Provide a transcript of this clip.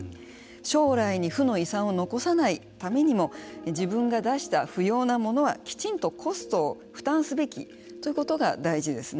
将来に負の遺産を残さないためにも自分が出した不用なものはきちんとコストを負担すべきということが大事ですね。